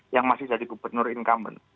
yang masih jadi gubernur incumbent